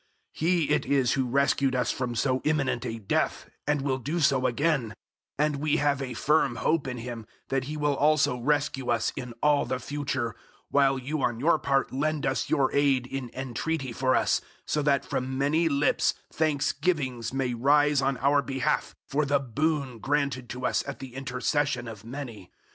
001:010 He it is who rescued us from so imminent a death, and will do so again; and we have a firm hope in Him that He will also rescue us in all the future, 001:011 while you on your part lend us your aid in entreaty for us, so that from many lips thanksgivings may rise on our behalf for the boon granted to us at the intercession of many.